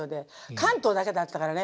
関東だけだったからね